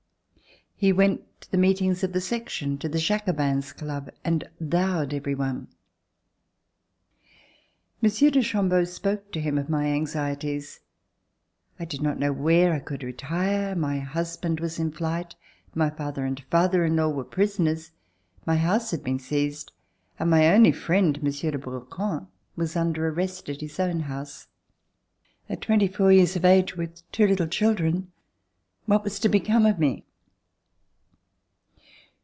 He went to the meetings of the Section, to the Jacobins' Club and "thoued" every one. Monsieur de Chambeau spoke to him of my anxie ties. I did not know where I could retire. My hus band was in flight, my father and father in law were prisoners, my house had been seized and my only friend. Monsieur de Brouquens, was under arrest at his own house. At twenty four years of age, with two little children, what was to become of me